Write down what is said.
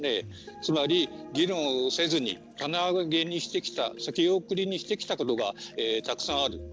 つまり、議論をせずに先送りにしてきたことがたくさんある。